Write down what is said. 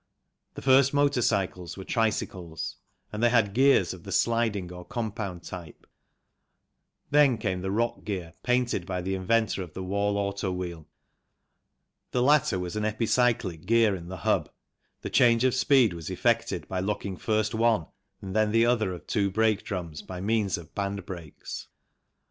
The first motor cycles were tricycles, and they had gears of the sliding or compound type, then came the Roc gear patented by the inventor of the Wall Auto Wheel. The latter was an epicyclic gear in the hub, the change of speed was effected by locking first one and then the other of two brake drums by means of band brakes.